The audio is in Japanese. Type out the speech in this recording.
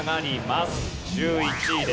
１１位です。